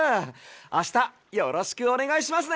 あしたよろしくおねがいしますね。